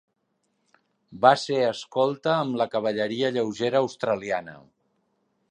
Va ser escolta amb la cavalleria lleugera australiana.